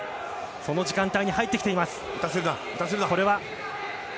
その時間帯に入ってきています。